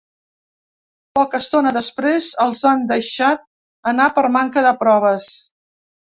Poca estona després, els han deixat anar per manca de proves.